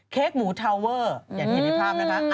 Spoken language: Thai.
หมูทาวเวอร์อย่างที่เห็นในภาพนะฮะ